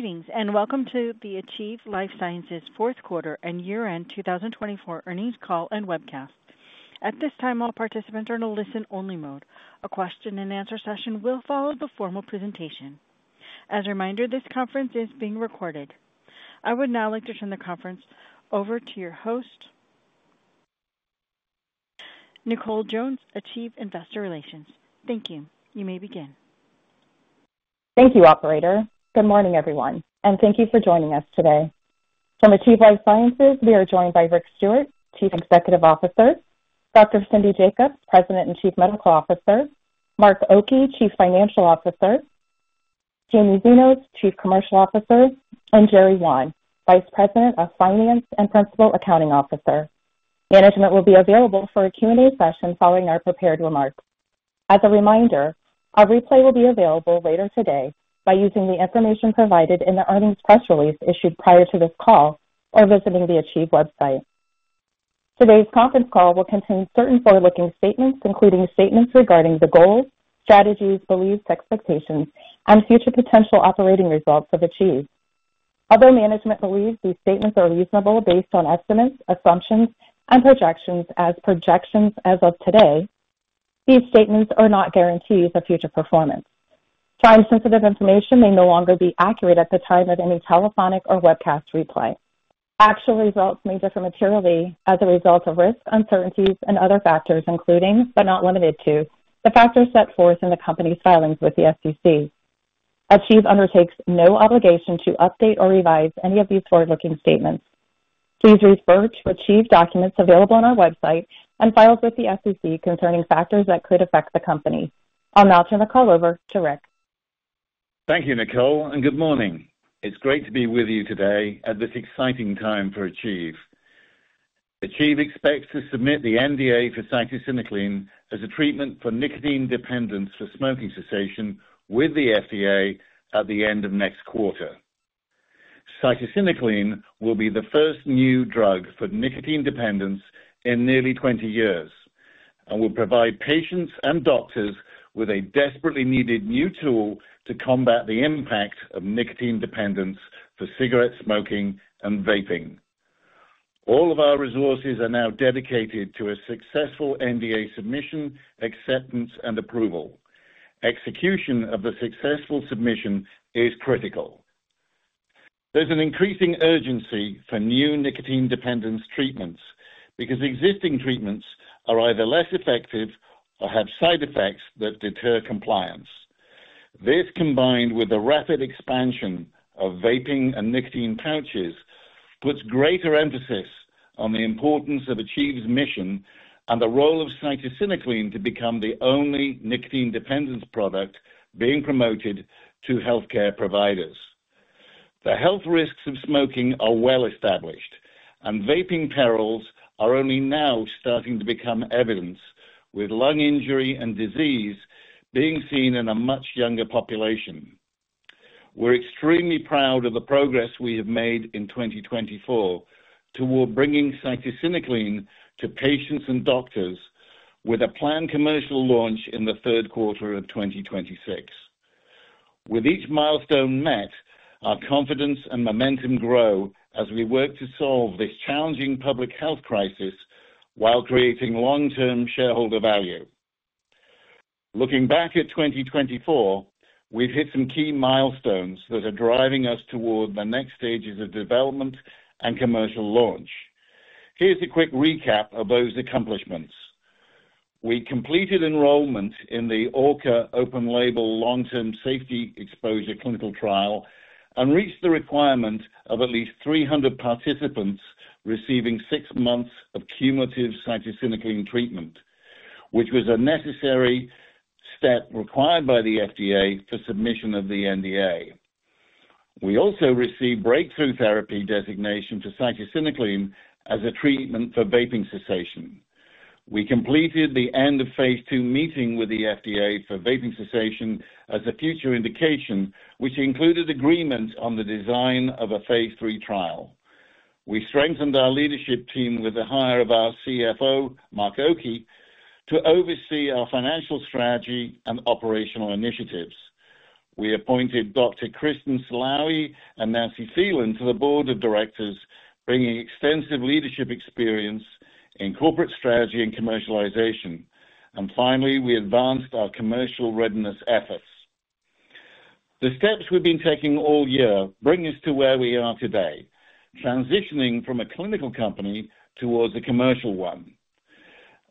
Greetings and welcome to the Achieve Life Sciences fourth quarter and year-end 2024 earnings call and webcast. At this time, all participants are in a listen-only mode. A question-and-answer session will follow the formal presentation. As a reminder, this conference is being recorded. I would now like to turn the conference over to your host, Nicole Jones, Achieve Investor Relations. Thank you. You may begin. Thank you, Operator. Good morning, everyone, and thank you for joining us today. From Achieve Life Sciences, we are joined by Rick Stewart, Chief Executive Officer; Dr. Cindy Jacobs, President and Chief Medical Officer; Mark Oki, Chief Financial Officer; Jaime Xinos, Chief Commercial Officer; and Jerry Wan, Vice President of Finance and Principal Accounting Officer. Management will be available for a Q&A session following our prepared remarks. As a reminder, a replay will be available later today by using the information provided in the earnings press release issued prior to this call or visiting the Achieve website. Today's conference call will contain certain forward-looking statements, including statements regarding the goals, strategies, beliefs, expectations, and future potential operating results of Achieve. Although management believes these statements are reasonable based on estimates, assumptions, and projections as of today, these statements are not guarantees of future performance. Time-sensitive information may no longer be accurate at the time of any telephonic or webcast replay. Actual results may differ materially as a result of risk, uncertainties, and other factors, including, but not limited to, the factors set forth in the company's filings with the SEC. Achieve undertakes no obligation to update or revise any of these forward-looking statements. Please refer to Achieve documents available on our website and files with the SEC concerning factors that could affect the company. I'll now turn the call over to Rick. Thank you, Nicole, and good morning. It's great to be with you today at this exciting time for Achieve. Achieve expects to submit the NDA for cytisinicline as a treatment for nicotine dependence for smoking cessation with the FDA at the end of next quarter. Cytisinicline will be the first new drug for nicotine dependence in nearly 20 years and will provide patients and doctors with a desperately needed new tool to combat the impact of nicotine dependence for cigarette smoking and vaping. All of our resources are now dedicated to a successful NDA submission, acceptance, and approval. Execution of the successful submission is critical. There's an increasing urgency for new nicotine dependence treatments because existing treatments are either less effective or have side effects that deter compliance. This, combined with the rapid expansion of vaping and nicotine pouches, puts greater emphasis on the importance of Achieve's mission and the role of cytisinicline to become the only nicotine dependence product being promoted to healthcare providers. The health risks of smoking are well established, and vaping perils are only now starting to become evident, with lung injury and disease being seen in a much younger population. We're extremely proud of the progress we have made in 2024 toward bringing cytisinicline to patients and doctors, with a planned commercial launch in the third quarter of 2026. With each milestone met, our confidence and momentum grow as we work to solve this challenging public health crisis while creating long-term shareholder value. Looking back at 2024, we've hit some key milestones that are driving us toward the next stages of development and commercial launch. Here's a quick recap of those accomplishments. We completed enrollment in the ORCA open-label long-term safety exposure clinical trial and reached the requirement of at least 300 participants receiving six months of cumulative cytisinicline treatment, which was a necessary step required by the FDA for submission of the NDA. We also received breakthrough therapy designation for cytisinicline as a treatment for vaping cessation. We completed the end of phase two meeting with the FDA for vaping cessation as a future indication, which included agreement on the design of a phase three trial. We strengthened our leadership team with the hire of our CFO, Mark Oki, to oversee our financial strategy and operational initiatives. We appointed Dr. Kristen Slaoui and Nancy Thielen to the board of directors, bringing extensive leadership experience in corporate strategy and commercialization. We advanced our commercial readiness efforts. The steps we've been taking all year bring us to where we are today, transitioning from a clinical company towards a commercial one.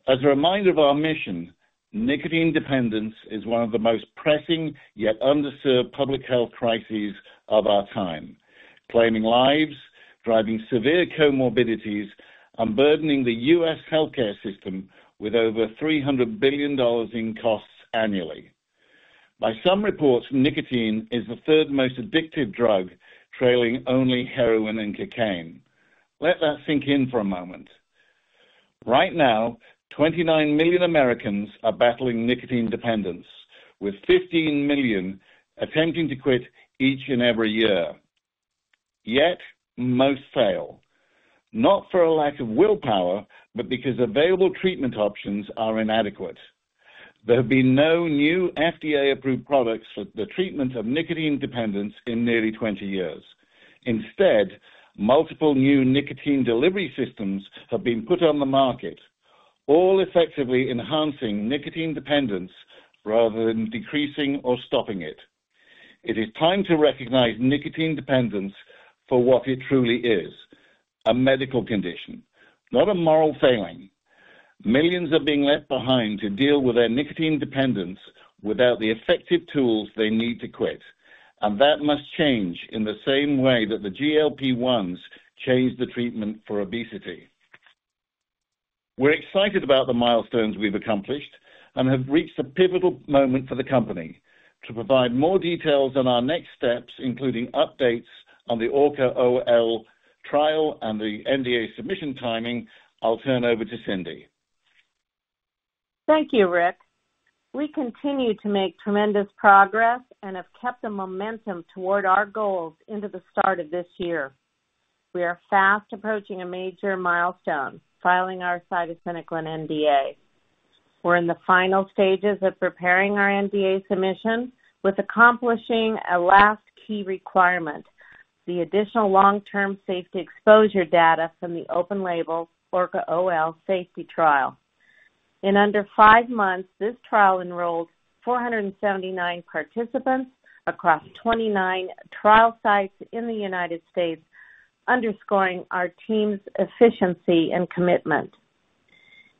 As a reminder of our mission, nicotine dependence is one of the most pressing yet underserved public health crises of our time, claiming lives, driving severe comorbidities, and burdening the U.S. healthcare system with over $300 billion in costs annually. By some reports, nicotine is the third most addictive drug, trailing only heroin and cocaine. Let that sink in for a moment. Right now, 29 million Americans are battling nicotine dependence, with 15 million attempting to quit each and every year. Yet most fail, not for a lack of willpower, but because available treatment options are inadequate. There have been no new FDA-approved products for the treatment of nicotine dependence in nearly 20 years. Instead, multiple new nicotine delivery systems have been put on the market, all effectively enhancing nicotine dependence rather than decreasing or stopping it. It is time to recognize nicotine dependence for what it truly is: a medical condition, not a moral failing. Millions are being left behind to deal with their nicotine dependence without the effective tools they need to quit, and that must change in the same way that the GLP-1s changed the treatment for obesity. We're excited about the milestones we've accomplished and have reached a pivotal moment for the company. To provide more details on our next steps, including updates on the ORCA-OL trial and the NDA submission timing, I'll turn over to Cindy. Thank you, Rick. We continue to make tremendous progress and have kept the momentum toward our goals into the start of this year. We are fast approaching a major milestone: filing our cytisinicline NDA. We're in the final stages of preparing our NDA submission, with accomplishing a last key requirement: the additional long-term safety exposure data from the open-label ORCA-OL safety trial. In under five months, this trial enrolled 479 participants across 29 trial sites in the United States, underscoring our team's efficiency and commitment.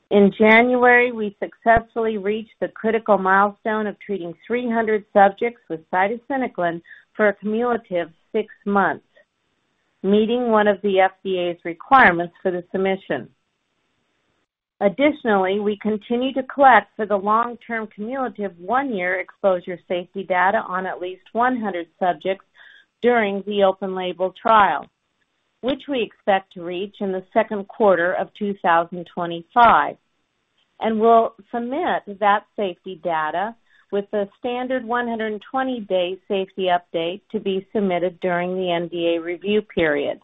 In January, we successfully reached the critical milestone of treating 300 subjects with cytisinicline for a cumulative six months, meeting one of the FDA's requirements for the submission. Additionally, we continue to collect for the long-term cumulative one-year exposure safety data on at least 100 subjects during the open-label trial, which we expect to reach in the second quarter of 2025, and will submit that safety data with a standard 120-day safety update to be submitted during the NDA review period.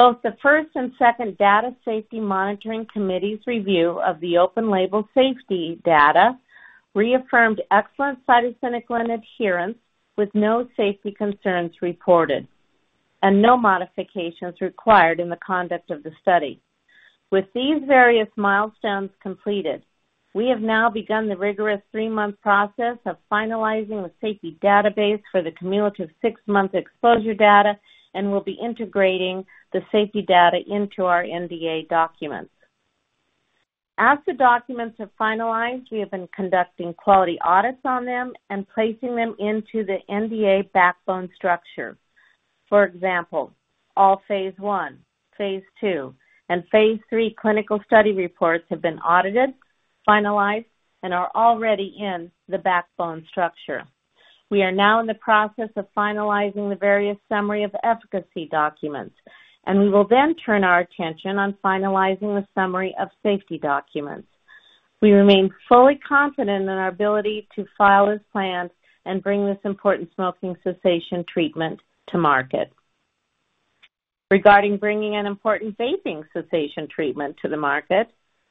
Both the first and second Data Safety Monitoring Committees' review of the open-label safety data reaffirmed excellent cytisinicline adherence, with no safety concerns reported and no modifications required in the conduct of the study. With these various milestones completed, we have now begun the rigorous three-month process of finalizing the safety database for the cumulative six-month exposure data and will be integrating the safety data into our NDA documents. As the documents have finalized, we have been conducting quality audits on them and placing them into the NDA backbone structure. For example, all phase one, phase two, and phase three clinical study reports have been audited, finalized, and are already in the backbone structure. We are now in the process of finalizing the various summary of efficacy documents, and we will then turn our attention on finalizing the summary of safety documents. We remain fully confident in our ability to file as planned and bring this important smoking cessation treatment to market. Regarding bringing an important vaping cessation treatment to the market,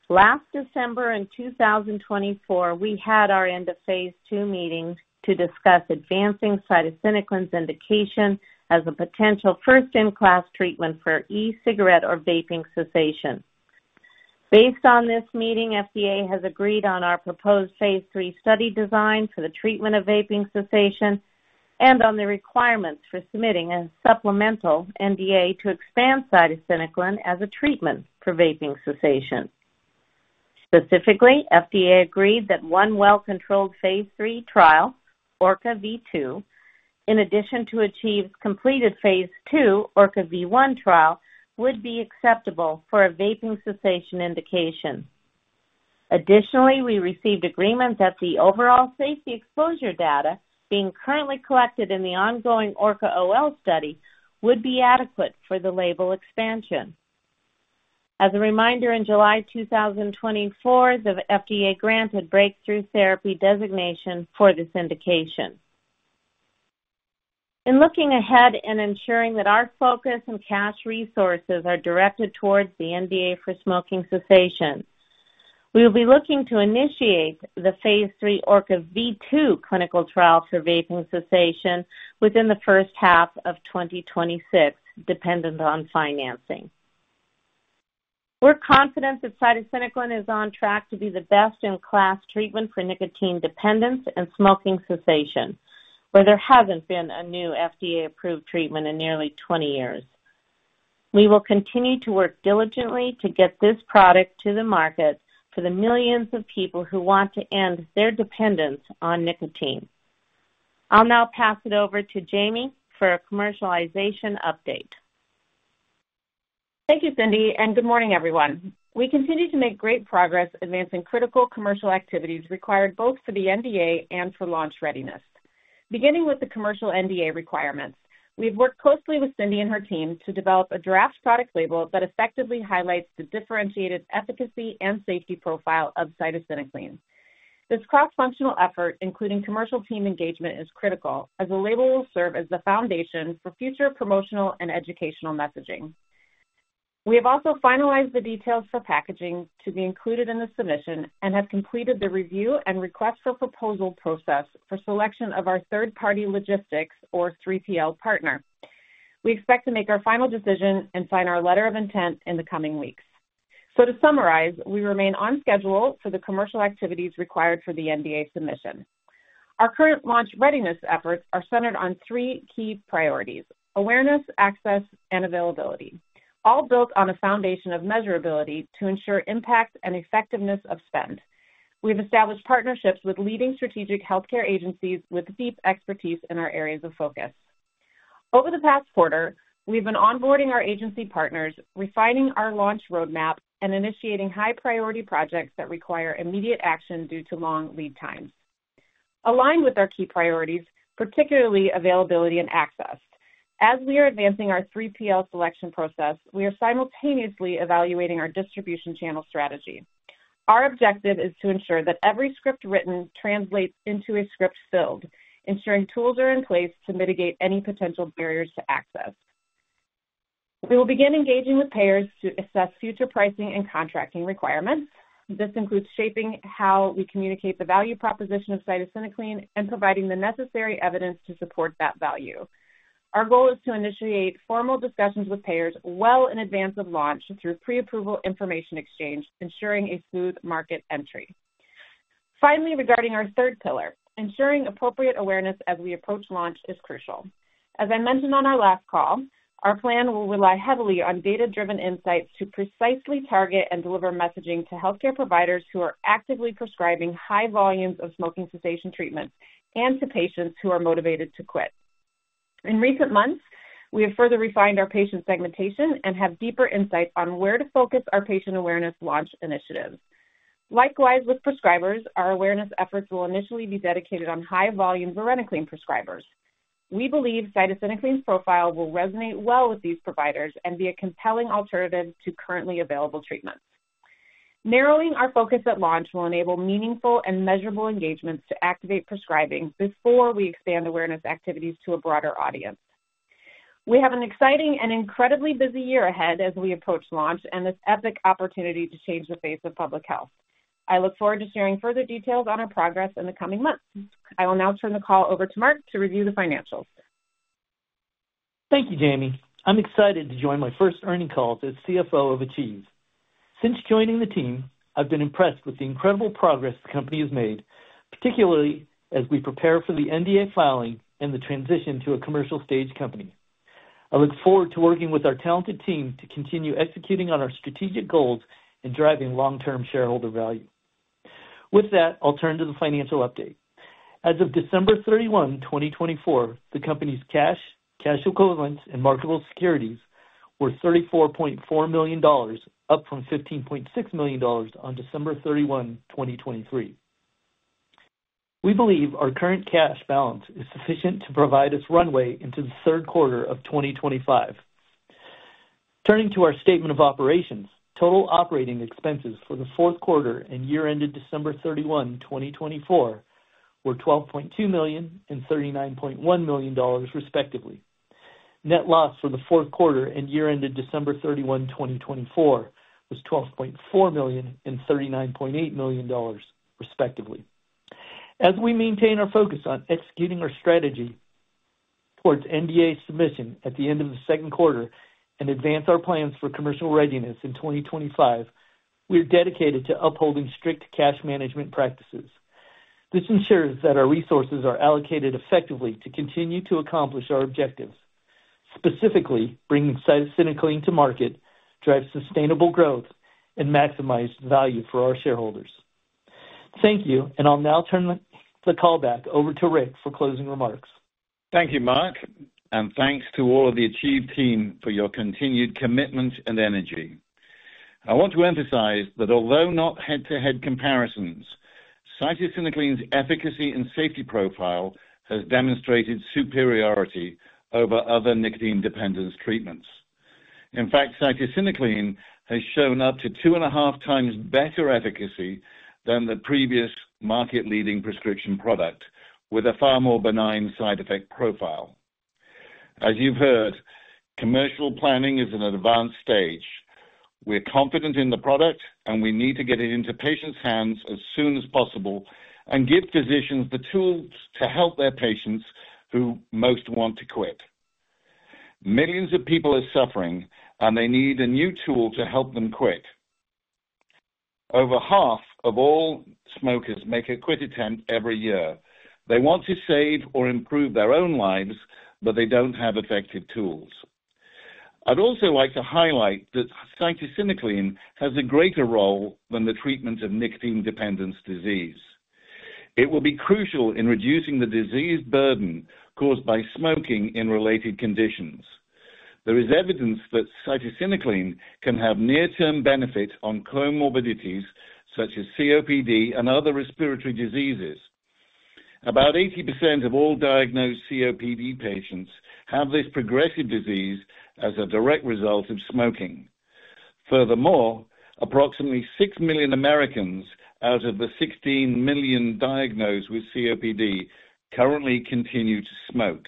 last December in 2024, we had our end of phase two meeting to discuss advancing cytisinicline's indication as a potential first-in-class treatment for e-cigarette or vaping cessation. Based on this meeting, the FDA has agreed on our proposed phase three study design for the treatment of vaping cessation and on the requirements for submitting a supplemental NDA to expand cytisinicline as a treatment for vaping cessation. Specifically, the FDA agreed that one well-controlled phase three trial, ORCA-V2, in addition to Achieve's completed phase two ORCA-V1 trial, would be acceptable for a vaping cessation indication. Additionally, we received agreement that the overall safety exposure data being currently collected in the ongoing ORCA-OL study would be adequate for the label expansion. As a reminder, in July 2024, the FDA granted breakthrough therapy designation for this indication. In looking ahead and ensuring that our focus and cash resources are directed towards the NDA for smoking cessation, we will be looking to initiate the phase three ORCA-V2 clinical trial for vaping cessation within the first half of 2026, dependent on financing. We're confident that cytisinicline is on track to be the best-in-class treatment for nicotine dependence and smoking cessation, where there hasn't been a new FDA-approved treatment in nearly 20 years. We will continue to work diligently to get this product to the market for the millions of people who want to end their dependence on nicotine. I'll now pass it over to Jaime for a commercialization update. Thank you, Cindy, and good morning, everyone. We continue to make great progress advancing critical commercial activities required both for the NDA and for launch readiness. Beginning with the commercial NDA requirements, we've worked closely with Cindy and her team to develop a draft product label that effectively highlights the differentiated efficacy and safety profile of cytisinicline. This cross-functional effort, including commercial team engagement, is critical as the label will serve as the foundation for future promotional and educational messaging. We have also finalized the details for packaging to be included in the submission and have completed the review and request for proposal process for selection of our third-party logistics, or 3PL, partner. We expect to make our final decision and sign our letter of intent in the coming weeks. To summarize, we remain on schedule for the commercial activities required for the NDA submission. Our current launch readiness efforts are centered on three key priorities: awareness, access, and availability, all built on a foundation of measurability to ensure impact and effectiveness of spend. We've established partnerships with leading strategic healthcare agencies with deep expertise in our areas of focus. Over the past quarter, we've been onboarding our agency partners, refining our launch roadmap, and initiating high-priority projects that require immediate action due to long lead times. Aligned with our key priorities, particularly availability and access, as we are advancing our 3PL selection process, we are simultaneously evaluating our distribution channel strategy. Our objective is to ensure that every script written translates into a script filled, ensuring tools are in place to mitigate any potential barriers to access. We will begin engaging with payers to assess future pricing and contracting requirements. This includes shaping how we communicate the value proposition of cytisinicline and providing the necessary evidence to support that value. Our goal is to initiate formal discussions with payers well in advance of launch through pre-approval information exchange, ensuring a smooth market entry. Finally, regarding our third pillar, ensuring appropriate awareness as we approach launch is crucial. As I mentioned on our last call, our plan will rely heavily on data-driven insights to precisely target and deliver messaging to healthcare providers who are actively prescribing high volumes of smoking cessation treatments and to patients who are motivated to quit. In recent months, we have further refined our patient segmentation and have deeper insights on where to focus our patient awareness launch initiatives. Likewise, with prescribers, our awareness efforts will initially be dedicated on high-volume varenicline prescribers. We believe cytisinicline's profile will resonate well with these providers and be a compelling alternative to currently available treatments. Narrowing our focus at launch will enable meaningful and measurable engagements to activate prescribing before we expand awareness activities to a broader audience. We have an exciting and incredibly busy year ahead as we approach launch and this epic opportunity to change the face of public health. I look forward to sharing further details on our progress in the coming months. I will now turn the call over to Mark to review the financials. Thank you, Jaime. I'm excited to join my first earnings call as CFO of Achieve. Since joining the team, I've been impressed with the incredible progress the company has made, particularly as we prepare for the NDA filing and the transition to a commercial-stage company. I look forward to working with our talented team to continue executing on our strategic goals and driving long-term shareholder value. With that, I'll turn to the financial update. As of December 31, 2024, the company's cash, cash equivalents, and marketable securities were $34.4 million, up from $15.6 million on December 31, 2023. We believe our current cash balance is sufficient to provide us runway into the third quarter of 2025. Turning to our statement of operations, total operating expenses for the fourth quarter and year ended December 31, 2024, were $12.2 million and $39.1 million, respectively. Net loss for the fourth quarter and year-ended December 31, 2024, was $12.4 million and $39.8 million, respectively. As we maintain our focus on executing our strategy towards NDA submission at the end of the second quarter and advance our plans for commercial readiness in 2025, we are dedicated to upholding strict cash management practices. This ensures that our resources are allocated effectively to continue to accomplish our objectives, specifically bringing cytisinicline to market, drive sustainable growth, and maximize value for our shareholders. Thank you, and I'll now turn the call back over to Rick for closing remarks. Thank you, Mark, and thanks to all of the Achieve team for your continued commitment and energy. I want to emphasize that although not head-to-head comparisons, cytisinicline's efficacy and safety profile has demonstrated superiority over other nicotine-dependent treatments. In fact, cytisinicline has shown up to two and a half times better efficacy than the previous market-leading prescription product, with a far more benign side effect profile. As you've heard, commercial planning is an advanced stage. We're confident in the product, and we need to get it into patients' hands as soon as possible and give physicians the tools to help their patients who most want to quit. Millions of people are suffering, and they need a new tool to help them quit. Over half of all smokers make a quit attempt every year. They want to save or improve their own lives, but they don't have effective tools. I'd also like to highlight that cytisinicline has a greater role than the treatment of nicotine-dependent disease. It will be crucial in reducing the disease burden caused by smoking in related conditions. There is evidence that cytisinicline can have near-term benefit on comorbidities such as COPD and other respiratory diseases. About 80% of all diagnosed COPD patients have this progressive disease as a direct result of smoking. Furthermore, approximately 6 million Americans out of the 16 million diagnosed with COPD currently continue to smoke.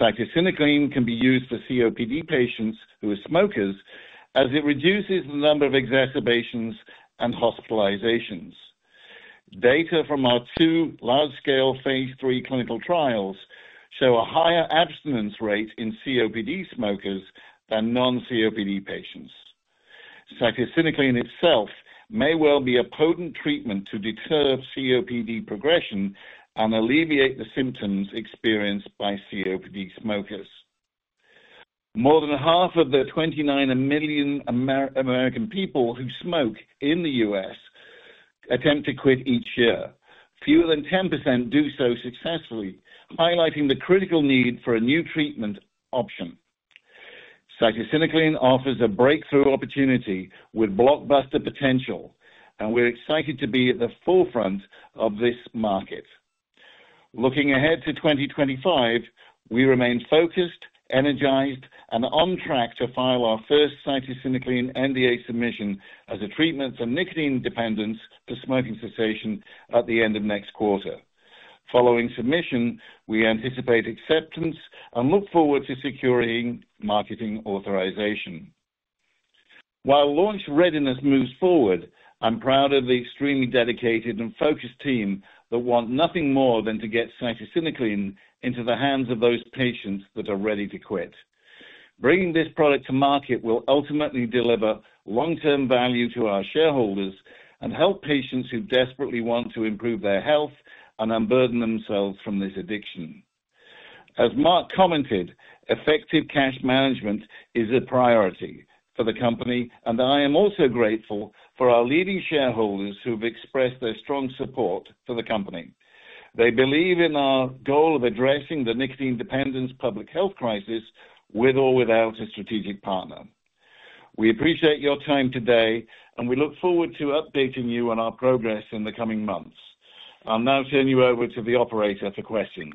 Cytisinicline can be used for COPD patients who are smokers as it reduces the number of exacerbations and hospitalizations. Data from our two large-scale phase 3 clinical trials show a higher abstinence rate in COPD smokers than non-COPD patients. Cytisinicline itself may well be a potent treatment to deter COPD progression and alleviate the symptoms experienced by COPD smokers. More than half of the 29 million American people who smoke in the U.S. attempt to quit each year. Fewer than 10% do so successfully, highlighting the critical need for a new treatment option. Cytisinicline offers a breakthrough opportunity with blockbuster potential, and we're excited to be at the forefront of this market. Looking ahead to 2025, we remain focused, energized, and on track to file our first cytisinicline NDA submission as a treatment for nicotine dependence for smoking cessation at the end of next quarter. Following submission, we anticipate acceptance and look forward to securing marketing authorization. While launch readiness moves forward, I'm proud of the extremely dedicated and focused team that want nothing more than to get cytisinicline into the hands of those patients that are ready to quit. Bringing this product to market will ultimately deliver long-term value to our shareholders and help patients who desperately want to improve their health and unburden themselves from this addiction. As Mark commented, effective cash management is a priority for the company, and I am also grateful for our leading shareholders who have expressed their strong support for the company. They believe in our goal of addressing the nicotine-dependence public health crisis with or without a strategic partner. We appreciate your time today, and we look forward to updating you on our progress in the coming months. I'll now turn you over to the operator for questions.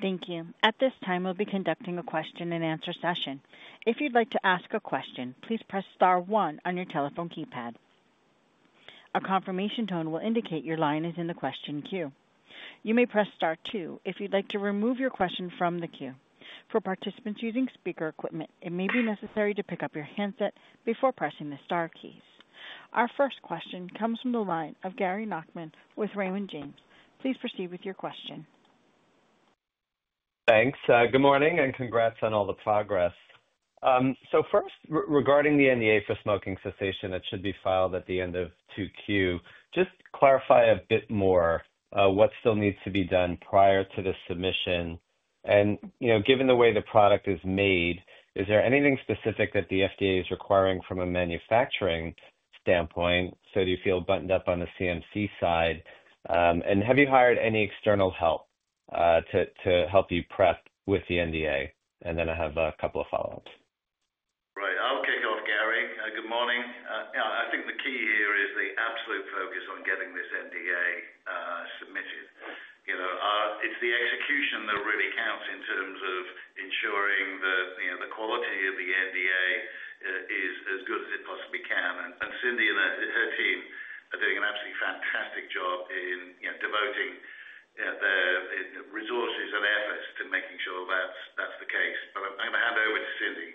Thank you. At this time, we'll be conducting a question-and-answer session. If you'd like to ask a question, please press Star 1 on your telephone keypad. A confirmation tone will indicate your line is in the question queue. You may press Star 2 if you'd like to remove your question from the queue. For participants using speaker equipment, it may be necessary to pick up your handset before pressing the Star keys. Our first question comes from the line of Gary Nachman with Raymond James. Please proceed with your question. Thanks. Good morning and congrats on all the progress. First, regarding the NDA for smoking cessation that should be filed at the end of 2Q, just clarify a bit more what still needs to be done prior to the submission. Given the way the product is made, is there anything specific that the FDA is requiring from a manufacturing standpoint? Do you feel buttoned up on the CMC side? Have you hired any external help to help you prep with the NDA? I have a couple of follow-ups. Right. I'll kick off, Gary. Good morning. I think the key here is the absolute focus on getting this NDA submitted. It's the execution that really counts in terms of ensuring the quality of the NDA is as good as it possibly can. Cindy and her team are doing an absolutely fantastic job in devoting their resources and efforts to making sure that's the case. I'm going to hand over to Cindy.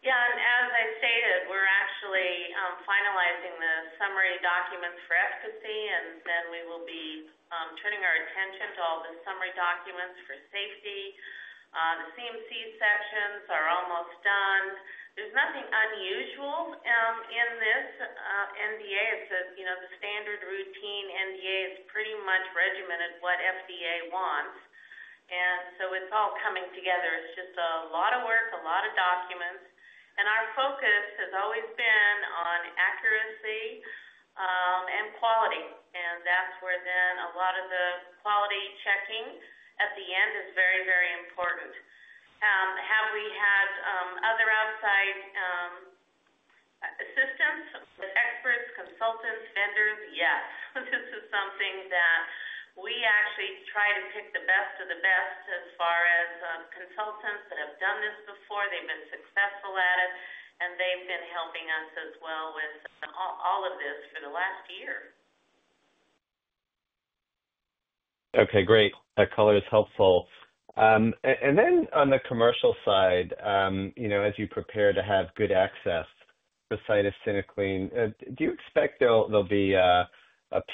Yeah. As I stated, we're actually finalizing the summary documents for efficacy, and then we will be turning our attention to all the summary documents for safety. The CMC sections are almost done. There's nothing unusual in this NDA. It's the standard routine NDA. It's pretty much regimented what FDA wants. It's all coming together. It's just a lot of work, a lot of documents. Our focus has always been on accuracy and quality. That's where a lot of the quality checking at the end is very, very important. Have we had other outside assistance with experts, consultants, vendors? Yes. This is something that we actually try to pick the best of the best as far as consultants that have done this before. They've been successful at it, and they've been helping us as well with all of this for the last year. Okay. Great. That color is helpful. On the commercial side, as you prepare to have good access for cytisinicline, do you expect there will be a PA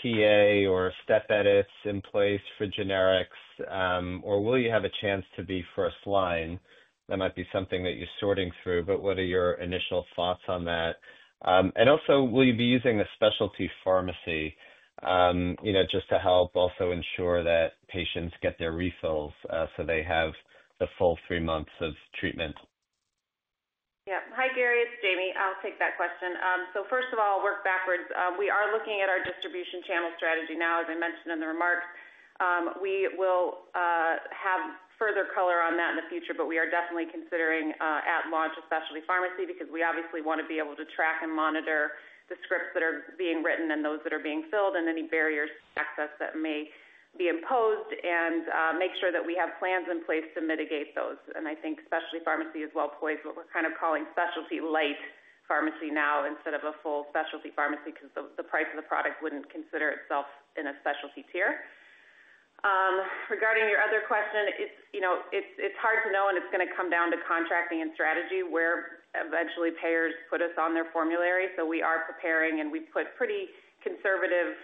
or a step edit in place for generics, or will you have a chance to be first line? That might be something that you are sorting through, but what are your initial thoughts on that? Also, will you be using a specialty pharmacy just to help also ensure that patients get their refills so they have the full three months of treatment? Yeah. Hi, Gary. It's Jaime. I'll take that question. First of all, I'll work backwards. We are looking at our distribution channel strategy now, as I mentioned in the remarks. We will have further color on that in the future, but we are definitely considering at launch a specialty pharmacy because we obviously want to be able to track and monitor the scripts that are being written and those that are being filled and any barriers to access that may be imposed and make sure that we have plans in place to mitigate those. I think specialty pharmacy is well poised with what we're kind of calling specialty light pharmacy now instead of a full specialty pharmacy because the price of the product wouldn't consider itself in a specialty tier. Regarding your other question, it's hard to know, and it's going to come down to contracting and strategy where eventually payers put us on their formulary. We are preparing, and we put pretty conservative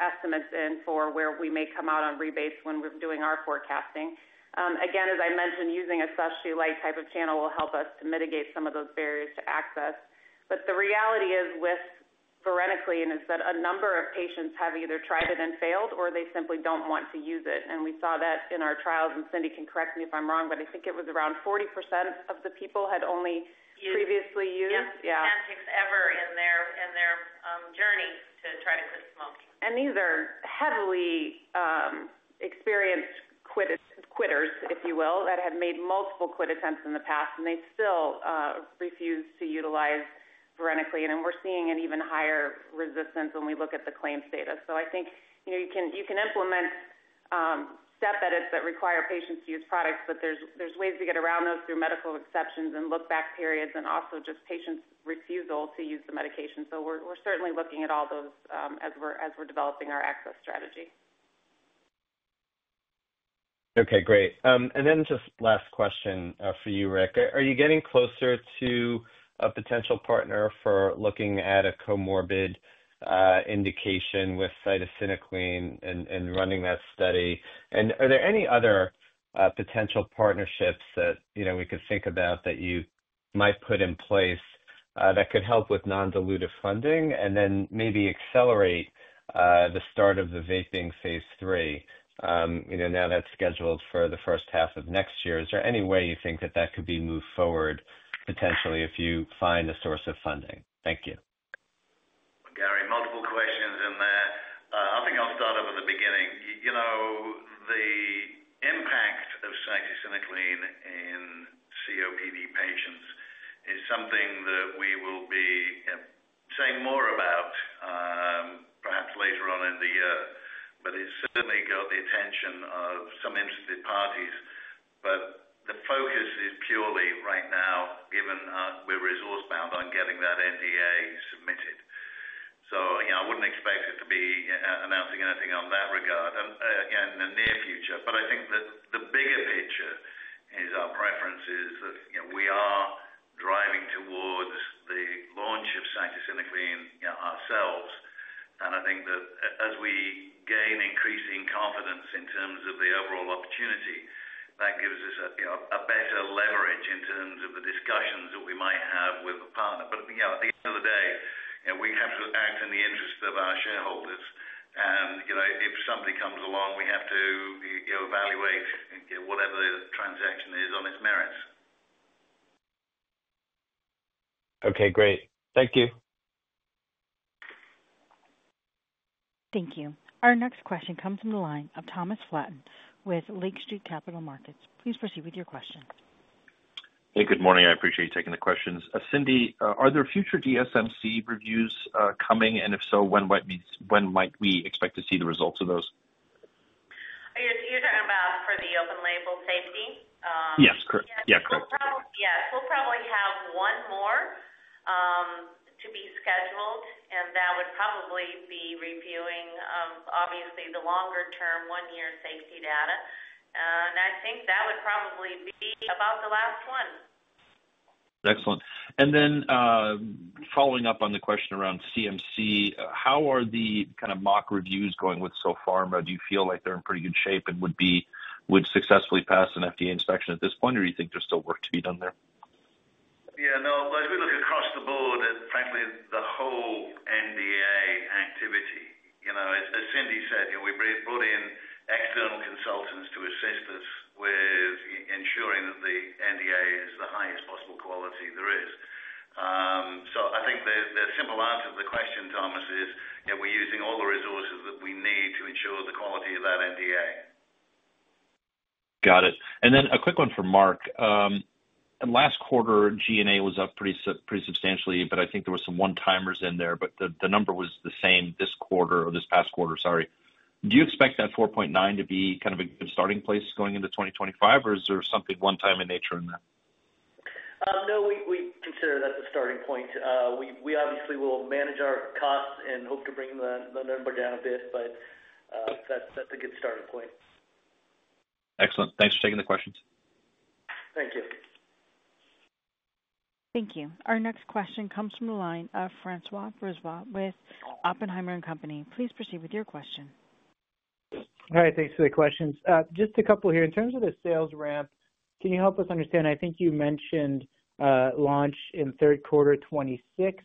estimates in for where we may come out on rebates when we're doing our forecasting. Again, as I mentioned, using a specialty light type of channel will help us to mitigate some of those barriers to access. The reality is with varenicline is that a number of patients have either tried it and failed, or they simply don't want to use it. We saw that in our trials, and Cindy can correct me if I'm wrong, but I think it was around 40% of the people had only previously used. And takes ever in their journey to try to quit smoking. These are heavily experienced quitters, if you will, that have made multiple quit attempts in the past, and they still refuse to utilize varenicline. We are seeing an even higher resistance when we look at the claims data. I think you can implement step edits that require patients to use products, but there are ways to get around those through medical exceptions and look-back periods and also just patients' refusal to use the medication. We are certainly looking at all those as we are developing our access strategy. Okay. Great. Just last question for you, Rick. Are you getting closer to a potential partner for looking at a comorbid indication with cytisinicline and running that study? Are there any other potential partnerships that we could think about that you might put in place that could help with non-dilutive funding and maybe accelerate the start of the vaping phase three now that's scheduled for the first half of next year? Is there any way you think that that could be moved forward potentially if you find a source of funding? Thank you. Gary, multiple questions in there. I think I'll start over the beginning. The impact of cytisinicline in COPD patients is something that we will be saying more about perhaps later on in the year, but it's certainly got the attention of some interested parties. The focus is purely right now, given we're resource-bound on getting that NDA submitted. I wouldn't expect to be announcing anything on that regard in the near future. I think that the bigger picture is our preference is that we are driving towards the launch of cytisinicline ourselves. I think that as we gain increasing confidence in terms of the overall opportunity, that gives us a better leverage in terms of the discussions that we might have with a partner. At the end of the day, we have to act in the interest of our shareholders. If somebody comes along, we have to evaluate whatever the transaction is on its merits. Okay. Great. Thank you. Thank you. Our next question comes from the line of Thomas Flaten with Lake Street Capital Markets. Please proceed with your question. Hey, good morning. I appreciate you taking the questions. Cindy, are there future DSMC reviews coming? If so, when might we expect to see the results of those? You're talking about for the open-label safety? Yes. Correct. Yeah. Correct. Yes. We'll probably have one more to be scheduled, and that would probably be reviewing, obviously, the longer-term one-year safety data. I think that would probably be about the last one. Excellent. Following up on the question around CMC, how are the kind of mock reviews going with Sopharma? Do you feel like they're in pretty good shape and would successfully pass an FDA inspection at this point, or do you think there's still work to be done there? Yeah. No, as we look across the board at, frankly, the whole NDA activity, as Cindy said, we brought in external consultants to assist us with ensuring that the NDA is the highest possible quality there is. I think the simple answer to the question, Thomas, is we're using all the resources that we need to ensure the quality of that NDA. Got it. A quick one for Mark. Last quarter, G&A was up pretty substantially, but I think there were some one-timers in there, but the number was the same this quarter or this past quarter, sorry. Do you expect that $4.9 million to be kind of a good starting place going into 2025, or is there something one-time in nature in that? No, we consider that the starting point. We obviously will manage our costs and hope to bring the number down a bit, but that's a good starting point. Excellent. Thanks for taking the questions. Thank you. Thank you. Our next question comes from the line of François Brisebois with Oppenheimer & Company. Please proceed with your question. Hi. Thanks for the questions. Just a couple here. In terms of the sales ramp, can you help us understand? I think you mentioned launch in third quarter 2026.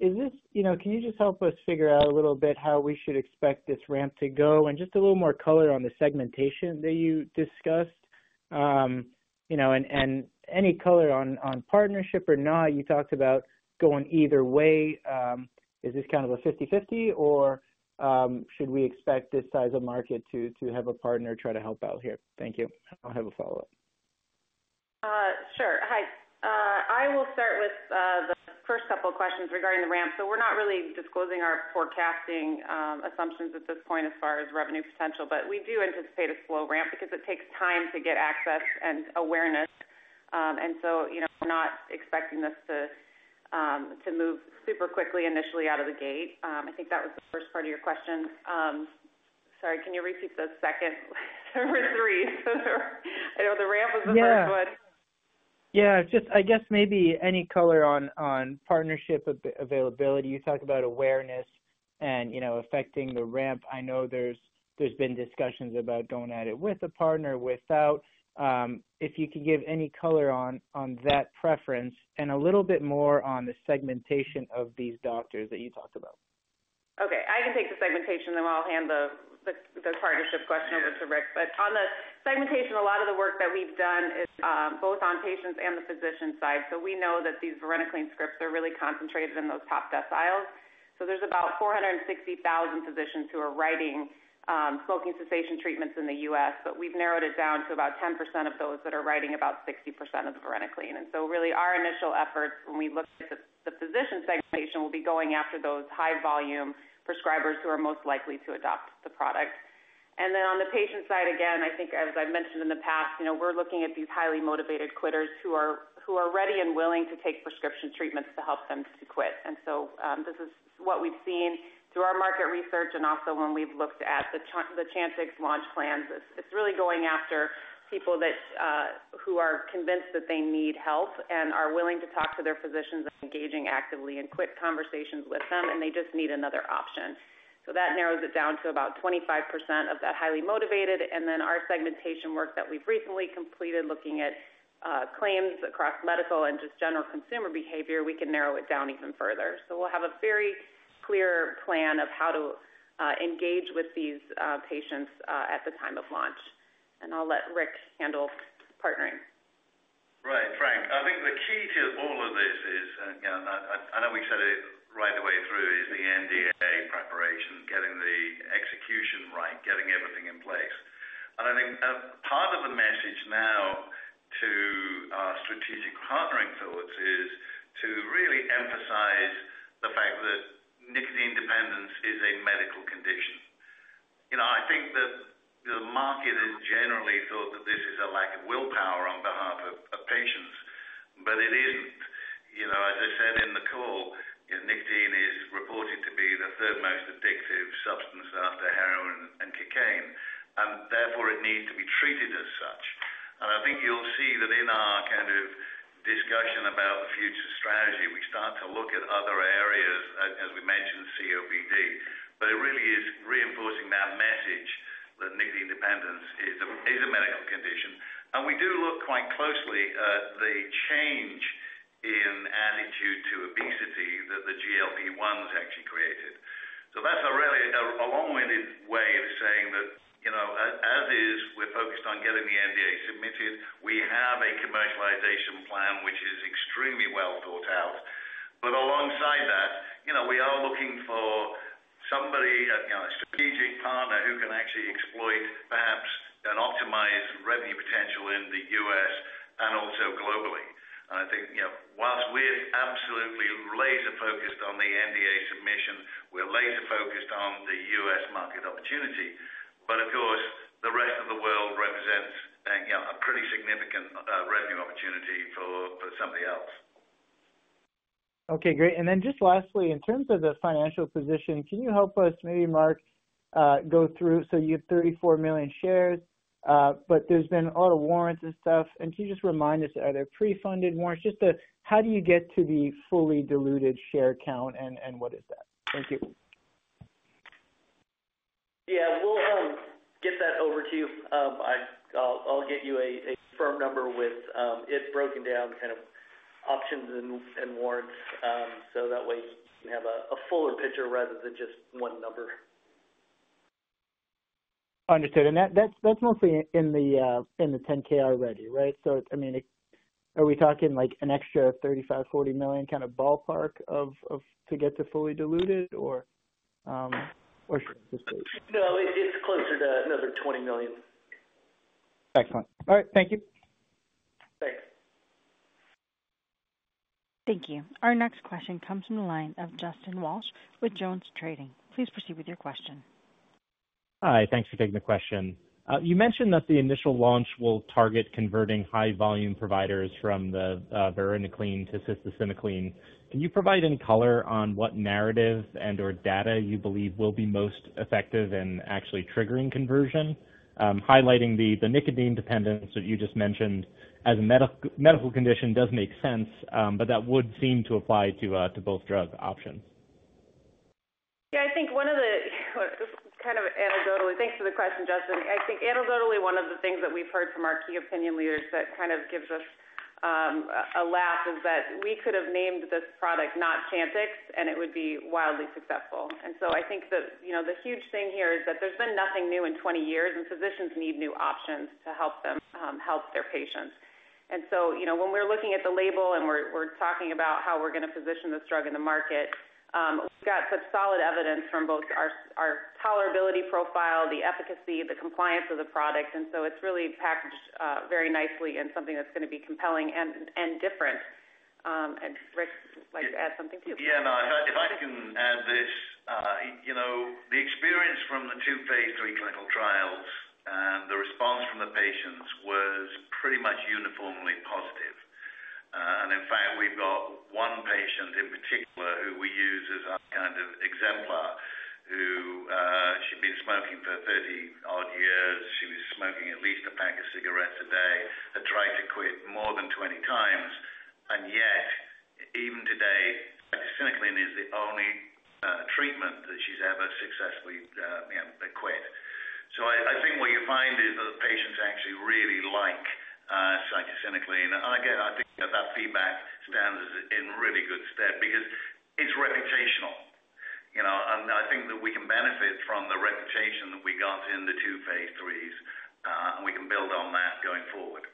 Can you just help us figure out a little bit how we should expect this ramp to go and just a little more color on the segmentation that you discussed and any color on partnership or not? You talked about going either way. Is this kind of a 50/50, or should we expect this size of market to have a partner try to help out here? Thank you. I'll have a follow-up. Sure. Hi. I will start with the first couple of questions regarding the ramp. We are not really disclosing our forecasting assumptions at this point as far as revenue potential, but we do anticipate a slow ramp because it takes time to get access and awareness. We are not expecting this to move super quickly initially out of the gate. I think that was the first part of your question. Sorry. Can you repeat the second or the third? I know the ramp was the first one. Yeah. Yeah. Just I guess maybe any color on partnership availability. You talked about awareness and affecting the ramp. I know there's been discussions about going at it with a partner, without. If you can give any color on that preference and a little bit more on the segmentation of these doctors that you talked about. Okay. I can take the segmentation, and I'll hand the partnership question over to Rick. On the segmentation, a lot of the work that we've done is both on patients and the physician side. We know that these varenicline scripts are really concentrated in those top deciles. There are about 460,000 physicians who are writing smoking cessation treatments in the U.S., but we've narrowed it down to about 10% of those that are writing about 60% of the varenicline. Our initial efforts, when we look at the physician segmentation, will be going after those high-volume prescribers who are most likely to adopt the product. On the patient side, again, I think, as I've mentioned in the past, we're looking at these highly motivated quitters who are ready and willing to take prescription treatments to help them to quit. This is what we've seen through our market research and also when we've looked at the Chantix launch plans. It's really going after people who are convinced that they need help and are willing to talk to their physicians and engaging actively in quit conversations with them, and they just need another option. That narrows it down to about 25% of that highly motivated. Our segmentation work that we've recently completed looking at claims across medical and just general consumer behavior, we can narrow it down even further. We'll have a very clear plan of how to engage with these patients at the time of launch. I'll let Rick handle partnering. Right. Frank, I think the key to all of this is, and I know we said it right the way through, is the NDA preparation, getting the execution right, getting everything in place. I think part of the message now to our strategic partnering thoughts is to really emphasize the fact that nicotine dependence is a medical condition. I think that the market has generally thought that this is a lack of willpower on behalf of patients, but it isn't. As I said in the call, nicotine is reported to be the third most addictive substance after heroin and cocaine, and therefore, it needs to be treated as such. I think you'll see that in our kind of discussion about the future strategy, we start to look at other areas, as we mentioned, COPD, but it really is reinforcing that message that nicotine dependence is a medical condition. We do look quite closely at the change in attitude to obesity that the GLP-1s actually created. That's a long-winded way of saying that as is, we're focused on getting the NDA submitted. We have a commercialization plan which is extremely well thought out. Alongside that, we are looking for somebody, a strategic partner who can actually exploit perhaps an optimized revenue potential in the U.S. and also globally. I think whilst we're absolutely laser-focused on the NDA submission, we're laser-focused on the U.S. market opportunity. Of course, the rest of the world represents a pretty significant revenue opportunity for somebody else. Okay. Great. Lastly, in terms of the financial position, can you help us maybe, Mark, go through? You have 34 million shares, but there's been a lot of warrants and stuff. Can you just remind us, are there pre-funded warrants? Just how do you get to the fully diluted share count, and what is that? Thank you. Yeah. We'll get that over to you. I'll get you a firm number with it broken down, kind of options and warrants, so that way you can have a fuller picture rather than just one number. Understood. That is mostly in the 10K already, right? I mean, are we talking an extra $35 million-$40 million kind of ballpark to get to fully diluted, or should we anticipate? No. It's closer to another $20 million. Excellent. All right. Thank you. Thanks. Thank you. Our next question comes from the line of Justin Walsh with Jones Trading. Please proceed with your question. Hi. Thanks for taking the question. You mentioned that the initial launch will target converting high-volume providers from the varenicline to cytisinicline. Can you provide any color on what narrative and/or data you believe will be most effective in actually triggering conversion? Highlighting the nicotine dependence that you just mentioned as a medical condition does make sense, but that would seem to apply to both drug options. Yeah. I think one of the kind of anecdotally thanks for the question, Justin. I think anecdotally, one of the things that we've heard from our key opinion leaders that kind of gives us a laugh is that we could have named this product not Chantix, and it would be wildly successful. I think that the huge thing here is that there's been nothing new in 20 years, and physicians need new options to help them help their patients. When we're looking at the label and we're talking about how we're going to position this drug in the market, we've got some solid evidence from both our tolerability profile, the efficacy, the compliance of the product. It's really packaged very nicely in something that's going to be compelling and different. Rick would like to add something too. Yeah. No. If I can add this, the experience from the two phase 3 clinical trials and the response from the patients was pretty much uniformly positive. In fact, we've got one patient in particular who we use as our kind of exemplar, who she'd been smoking for 30-odd years. She was smoking at least a pack of cigarettes a day, had tried to quit more than 20 times, and yet, even today, cytisinicline is the only treatment that she's ever successfully quit. I think what you find is that the patients actually really like cytisinicline. I think that feedback stands in really good stead because it's reputational. I think that we can benefit from the reputation that we got in the two phase 3s, and we can build on that going forward.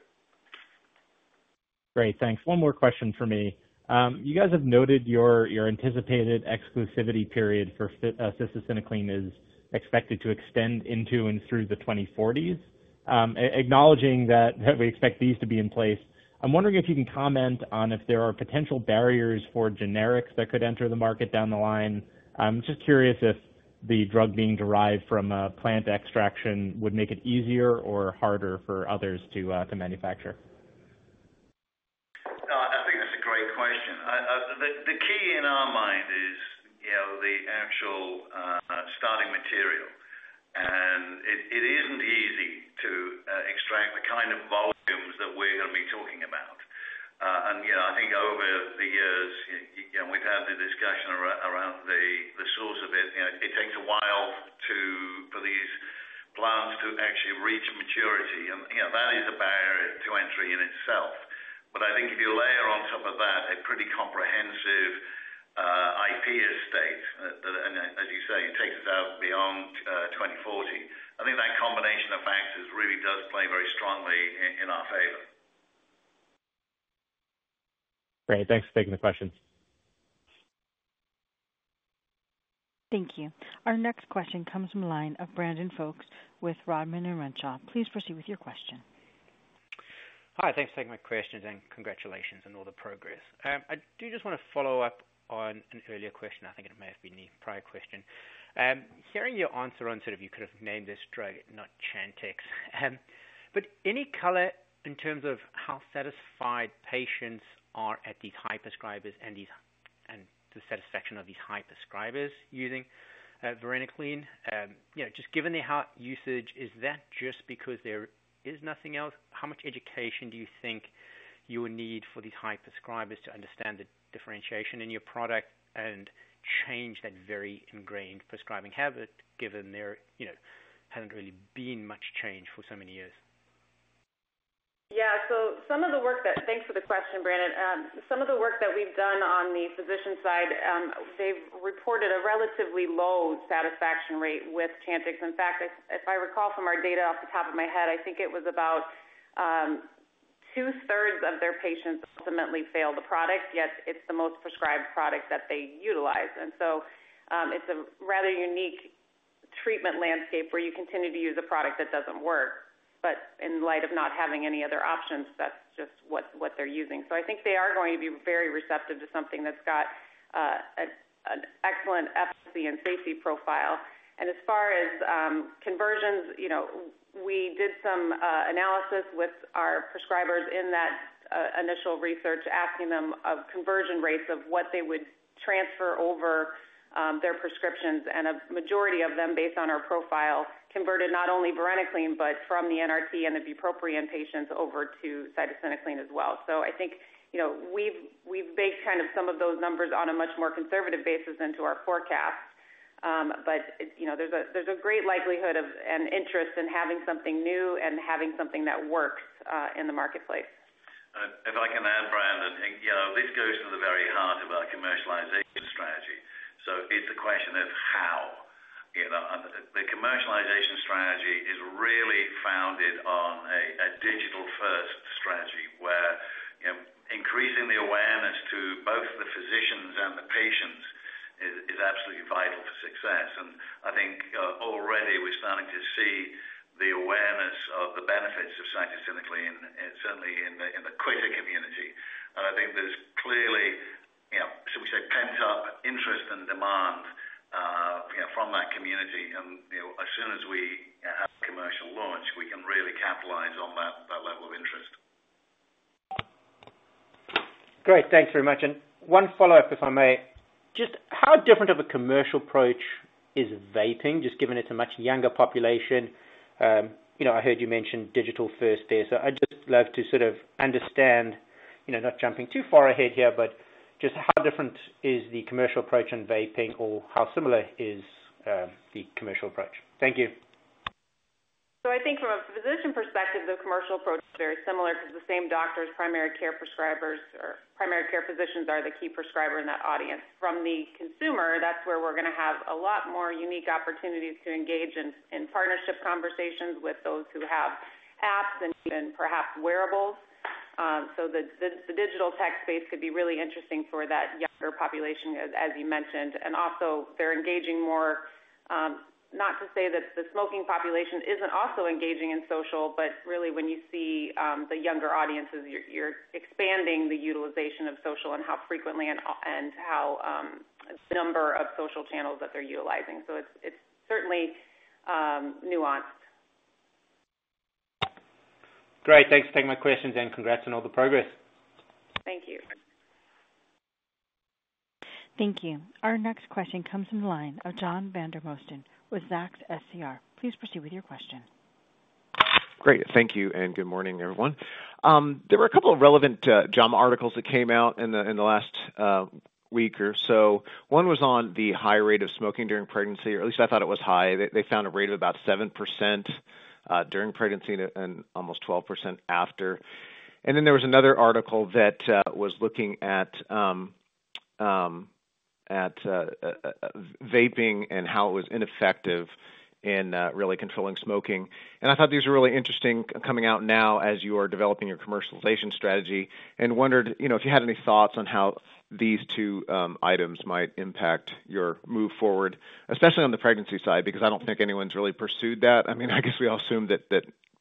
Great. Thanks. One more question for me. You guys have noted your anticipated exclusivity period for cytisinicline is expected to extend into and through the 2040s. Acknowledging that we expect these to be in place, I'm wondering if you can comment on if there are potential barriers for generics that could enter the market down the line. I'm just curious if the drug being derived from a plant extraction would make it easier or harder for others to manufacture. No. I think that's a great question. The key in our mind is the actual starting material. It isn't easy to extract the kind of volumes that we're going to be talking about. I think over the years, we've had the discussion around the source of it. It takes a while for these plants to actually reach maturity. That is a barrier to entry in itself. I think if you layer on top of that a pretty comprehensive IP estate, and as you say, it takes us out beyond 2040, I think that combination of factors really does play very strongly in our favor. Great. Thanks for taking the question. Thank you. Our next question comes from the line of Brandon Folkes with Rodman and Renshaw. Please proceed with your question. Hi. Thanks for taking my question, and congratulations on all the progress. I do just want to follow up on an earlier question. I think it may have been the prior question. Hearing your answer on sort of you could have named this drug not Chantix, but any color in terms of how satisfied patients are at these high prescribers and the satisfaction of these high prescribers using varenicline? Just given the high usage, is that just because there is nothing else? How much education do you think you will need for these high prescribers to understand the differentiation in your product and change that very ingrained prescribing habit given there hasn't really been much change for so many years? Yeah. Some of the work that, thanks for the question, Brandon. Some of the work that we've done on the physician side, they've reported a relatively low satisfaction rate with Chantix. In fact, if I recall from our data off the top of my head, I think it was about two-thirds of their patients ultimately fail the product, yet it's the most prescribed product that they utilize. It is a rather unique treatment landscape where you continue to use a product that doesn't work. In light of not having any other options, that's just what they're using. I think they are going to be very receptive to something that's got an excellent efficacy and safety profile. As far as conversions, we did some analysis with our prescribers in that initial research, asking them of conversion rates of what they would transfer over their prescriptions. A majority of them, based on our profile, converted not only varenicline but from the NRT and the bupropion patients over to cytisinicline as well. I think we've baked kind of some of those numbers on a much more conservative basis into our forecast. There's a great likelihood of an interest in having something new and having something that works in the marketplace. If I can add, Brandon, this goes to the very heart of our commercialization strategy. It is a question of how. The commercialization strategy is really founded on a digital-first strategy where increasing the awareness to both the physicians and the patients is absolutely vital for success. I think already we are starting to see the awareness of the benefits of cytisinicline, certainly in the quitter community. I think there is clearly, shall we say, pent-up interest and demand from that community. As soon as we have a commercial launch, we can really capitalize on that level of interest. Great. Thanks very much. One follow-up, if I may. Just how different of a commercial approach is vaping, just given it's a much younger population? I heard you mention digital-first there. I'd just love to sort of understand, not jumping too far ahead here, but just how different is the commercial approach in vaping or how similar is the commercial approach? Thank you. I think from a physician perspective, the commercial approach is very similar because the same doctors, primary care prescribers, or primary care physicians are the key prescriber in that audience. From the consumer, that's where we're going to have a lot more unique opportunities to engage in partnership conversations with those who have apps and even perhaps wearables. The digital tech space could be really interesting for that younger population, as you mentioned. Also, they're engaging more, not to say that the smoking population isn't also engaging in social, but really when you see the younger audiences, you're expanding the utilization of social and how frequently and how the number of social channels that they're utilizing. It is certainly nuanced. Great. Thanks for taking my questions and congrats on all the progress. Thank you. Thank you. Our next question comes from the line of John Vandermosten with Zacks SCR. Please proceed with your question. Great. Thank you. Good morning, everyone. There were a couple of relevant JAMA articles that came out in the last week or so. One was on the high rate of smoking during pregnancy, or at least I thought it was high. They found a rate of about 7% during pregnancy and almost 12% after. There was another article that was looking at vaping and how it was ineffective in really controlling smoking. I thought these were really interesting coming out now as you are developing your commercialization strategy and wondered if you had any thoughts on how these two items might impact your move forward, especially on the pregnancy side because I do not think anyone's really pursued that. I mean, I guess we all assume that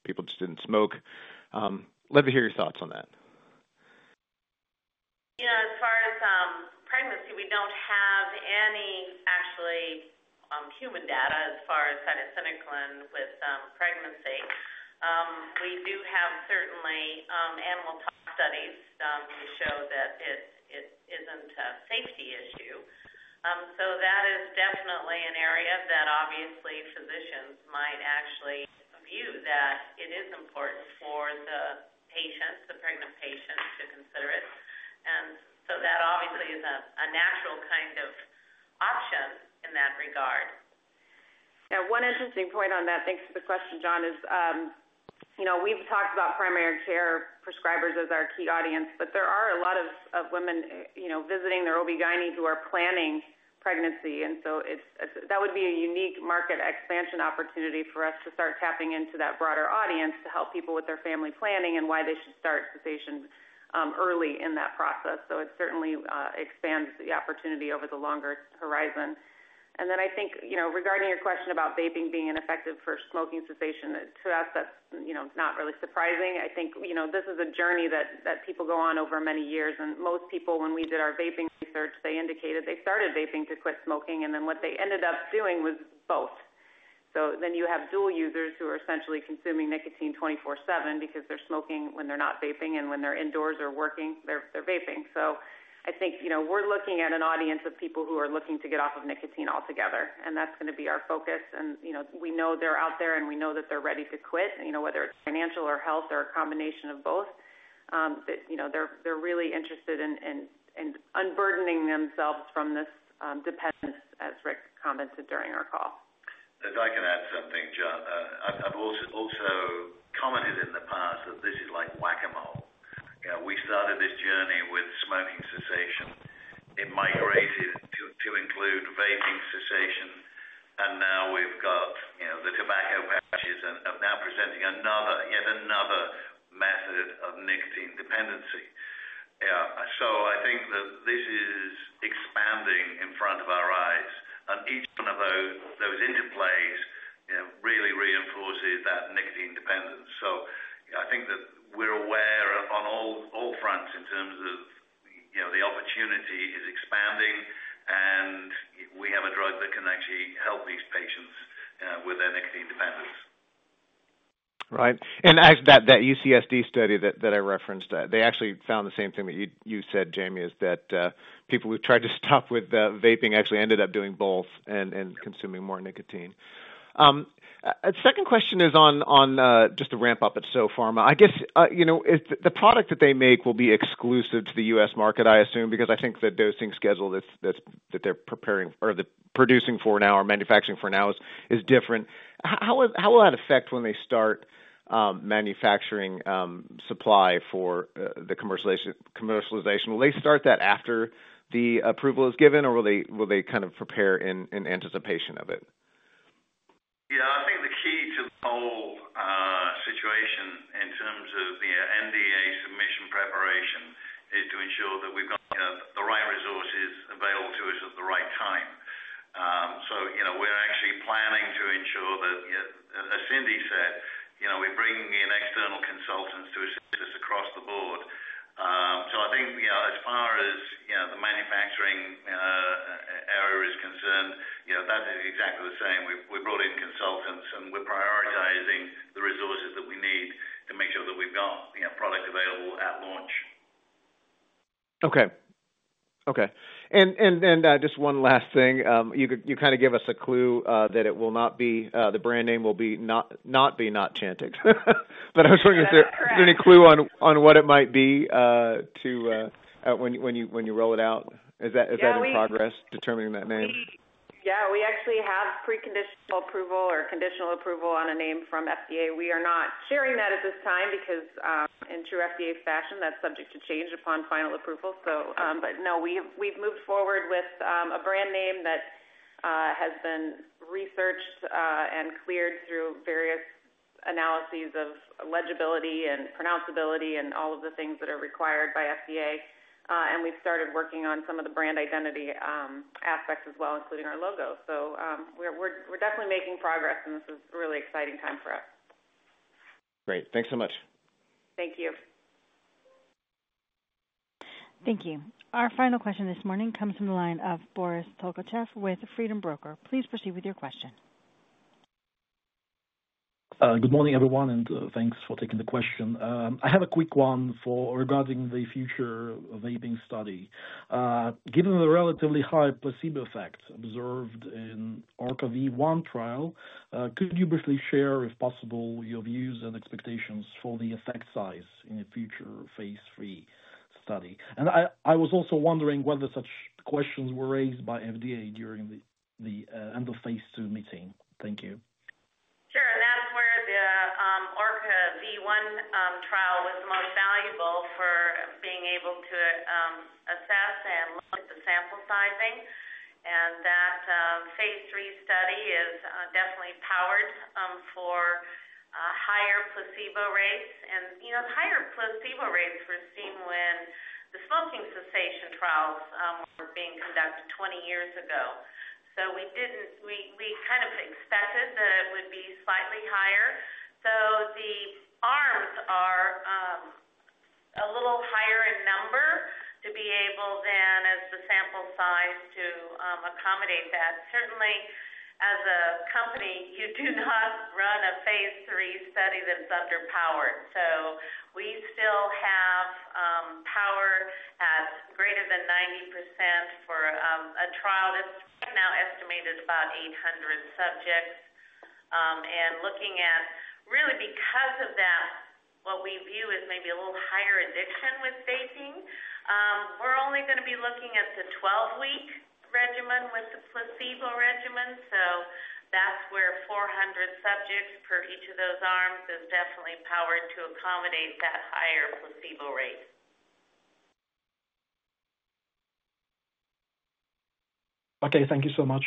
people just did not smoke. Love to hear your thoughts on that. Yeah. As far as pregnancy, we don't have any actually human data as far as cytisinicline with pregnancy. We do have certainly animal tox studies that show that it isn't a safety issue. That is definitely an area that obviously physicians might actually view that it is important for the patient, the pregnant patient, to consider it. That obviously is a natural kind of option in that regard. Yeah. One interesting point on that, thanks for the question, John, is we've talked about primary care prescribers as our key audience, but there are a lot of women visiting their OB/GYN who are planning pregnancy. That would be a unique market expansion opportunity for us to start tapping into that broader audience to help people with their family planning and why they should start cessation early in that process. It certainly expands the opportunity over the longer horizon. I think regarding your question about vaping being ineffective for smoking cessation, to us, that's not really surprising. I think this is a journey that people go on over many years. Most people, when we did our vaping research, indicated they started vaping to quit smoking, and then what they ended up doing was both. You have dual users who are essentially consuming nicotine 24/7 because they're smoking when they're not vaping, and when they're indoors or working, they're vaping. I think we're looking at an audience of people who are looking to get off of nicotine altogether. That's going to be our focus. We know they're out there, and we know that they're ready to quit, whether it's financial or health or a combination of both. They're really interested in unburdening themselves from this dependence, as Rick commented during our call. If I can add something, John, I've also commented in the past that this is like whack-a-mole. We started this journey with smoking cessation. It migrated to include vaping cessation. Now we've got the tobacco patches and are now presenting yet another method of nicotine dependency. I think that this is expanding in front of our eyes. Each one of those interplays really reinforces that nicotine dependence. I think that we're aware on all fronts in terms of the opportunity is expanding, and we have a drug that can actually help these patients with their nicotine dependence. Right. That UCSD study that I referenced, they actually found the same thing that you said, Jaime, is that people who tried to stop with vaping actually ended up doing both and consuming more nicotine. Second question is on just the ramp up at Sopharma. I guess the product that they make will be exclusive to the U.S. market, I assume, because I think the dosing schedule that they're preparing or producing for now or manufacturing for now is different. How will that affect when they start manufacturing supply for the commercialization? Will they start that after the approval is given, or will they kind of prepare in anticipation of it? Yeah. I think the key to the whole situation in terms of the NDA submission preparation is to ensure that we've got the right resources available to us at the right time. We're actually planning to ensure that, as Cindy said, we're bringing in external consultants to assist us across the board. I think as far as the manufacturing area is concerned, that is exactly the same. We brought in consultants, and we're prioritizing the resources that we need to make sure that we've got product available at launch. Okay. Okay. Just one last thing. You kind of gave us a clue that it will not be the brand name will not be Chantix. I was wondering, is there any clue on what it might be when you roll it out? Is that in progress, determining that name? Yeah. We actually have preconditional approval or conditional approval on a name from FDA. We are not sharing that at this time because, in true FDA fashion, that's subject to change upon final approval. No, we've moved forward with a brand name that has been researched and cleared through various analyses of legibility and pronounceability and all of the things that are required by FDA. We've started working on some of the brand identity aspects as well, including our logo. We are definitely making progress, and this is a really exciting time for us. Great. Thanks so much. Thank you. Thank you. Our final question this morning comes from the line of Boris Tolkachev with Freedom Broker. Please proceed with your question. Good morning, everyone, and thanks for taking the question. I have a quick one regarding the future vaping study. Given the relatively high placebo effect observed in ORCA-V1 trial, could you briefly share, if possible, your views and expectations for the effect size in a future phase three study? I was also wondering whether such questions were raised by FDA during the end of phase two meeting. Thank you. Sure. That's where the ORCA-V1 trial was the most valuable for being able to assess and look at the sample sizing. That phase three study is definitely powered for higher placebo rates. Higher placebo rates were seen when the smoking cessation trials were being conducted 20 years ago. We kind of expected that it would be slightly higher. The arms are a little higher in number to be able than as the sample size to accommodate that. Certainly, as a company, you do not run a phase three study that's underpowered. We still have power at greater than 90% for a trial that's now estimated about 800 subjects. Looking at really, because of that, what we view as maybe a little higher addiction with vaping, we're only going to be looking at the 12-week regimen with the placebo regimen. That's where 400 subjects per each of those arms is definitely powered to accommodate that higher placebo rate. Okay. Thank you so much.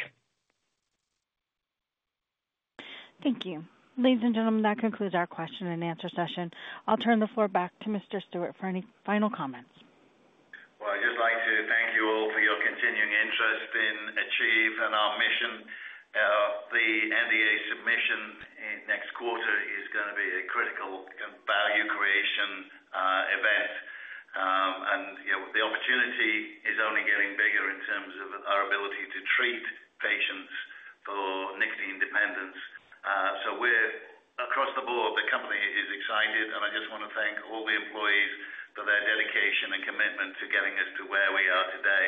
Thank you. Ladies and gentlemen, that concludes our question and answer session. I'll turn the floor back to Mr. Stewart for any final comments. I would just like to thank you all for your continuing interest in Achieve and our mission. The NDA submission next quarter is going to be a critical value creation event. The opportunity is only getting bigger in terms of our ability to treat patients for nicotine dependence. Across the board, the company is excited. I just want to thank all the employees for their dedication and commitment to getting us to where we are today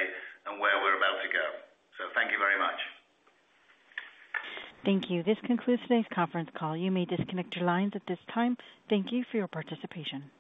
and where we are about to go. Thank you very much. Thank you. This concludes today's conference call. You may disconnect your lines at this time. Thank you for your participation.